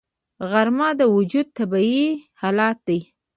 غرمه د وجود طبیعي حالت دی